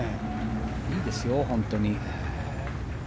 いいですよ、本当に。